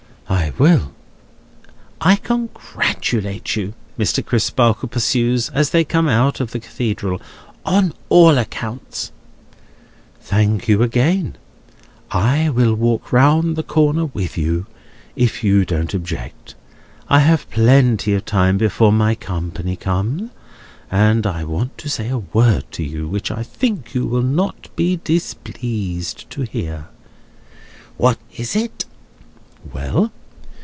"I will." "I congratulate you," Mr. Crisparkle pursues, as they come out of the Cathedral, "on all accounts." "Thank you again. I will walk round to the Corner with you, if you don't object; I have plenty of time before my company come; and I want to say a word to you, which I think you will not be displeased to hear." "What is it?" "Well.